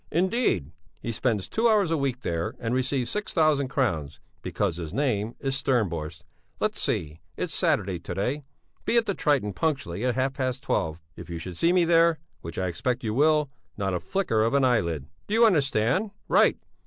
"Indeed! He spends two hours a week there, and receives six thousand crowns, because his name is Stjernborst. Let's see! It's Saturday to day. Be at the 'Triton' punctually at half past twelve; if you should see me there, which I expect you will, not a flicker of an eyelid. Do you understand? Right!